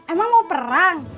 emang mau perang